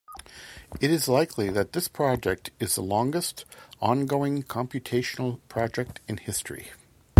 It is likely that this project is the longest, ongoing computational project in history.